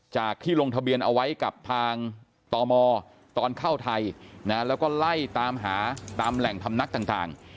ที่ลงทะเบียนเอาไว้กับทางตมตอนเข้าไทยนะแล้วก็ไล่ตามหาตามแหล่งพำนักต่าง